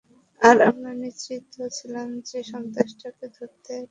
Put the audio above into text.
আর আমরা নিশ্চিত ছিলাম যে সন্ত্রাসীটাকে ধরতে পারব আমরা।